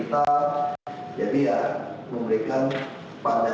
beberapa dari antaranya tadi kan berusaha dari orang orang kekui ya